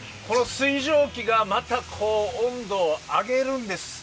水蒸気がまた温度を上げるんです。